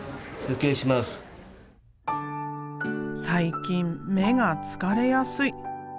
最近目が疲れやすい。